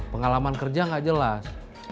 pengalaman kerja gak jelas